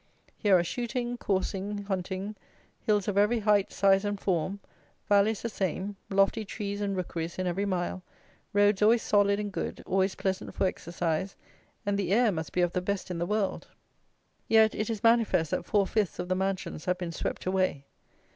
Here are shooting, coursing, hunting; hills of every height, size, and form; valleys, the same; lofty trees and rookeries in every mile; roads always solid and good; always pleasant for exercise; and the air must be of the best in the world. Yet it is manifest that four fifths of the mansions have been swept away.